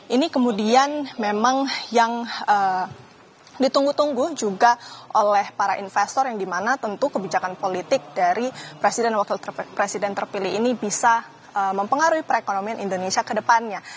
ini kemudian memang yang ditunggu tunggu juga oleh para investor yang dimana tentu kebijakan politik dari presiden dan wakil presiden terpilih ini bisa mempengaruhi perekonomian indonesia ke depannya